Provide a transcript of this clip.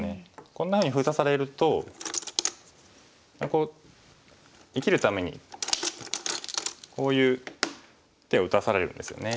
こんなふうに封鎖されるとこう生きるためにこういう手を打たされるんですよね。